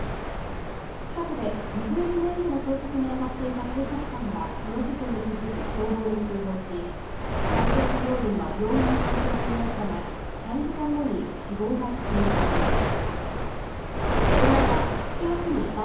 近くで行方不明者の捜索にあたっていた警察官がこの事故に気づき消防に通報し、男性作業員は病院に搬送されましたが３時間後に死亡が確認されました。